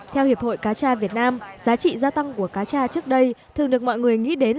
theo hiệp hội cá tra việt nam giá trị gia tăng của cá cha trước đây thường được mọi người nghĩ đến